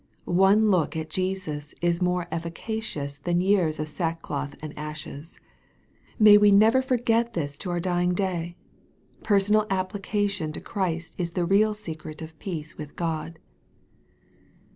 One look at Jesus is more efficacious than years of sack cloth and ashes. May we never forget this to our dying day ! Personal application to Christ is the real secret of peace with God.